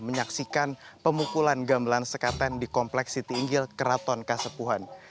menyaksikan pemukulan gamelan sekaten di kompleks siti inggil keraton kasepuhan